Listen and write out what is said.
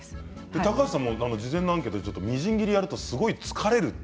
高橋さんも事前アンケートでみじん切りすると疲れると。